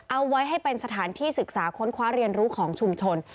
เอาไว้ให้เป็นสถานที่ศึกษาค้นคว้าเรียนรู้ของชุมชน